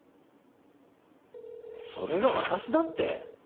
それが私だって！？